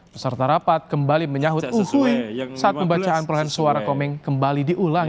peserta rapat kembali menyahut uhuy saat pembacaan perlelahan suara komeng kembali diulangi